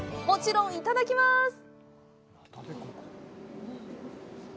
もちろん、いただきます！